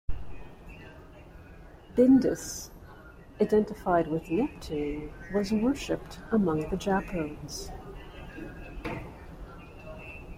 "Bindus", identified with Neptune, was worshipped among the Japodes.